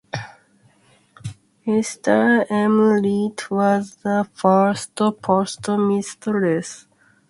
Esther M Leete was the first postmistress.